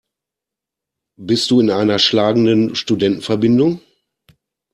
Bist du in einer schlagenden Studentenverbindung?